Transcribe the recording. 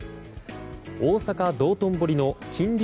大阪・道頓堀の金龍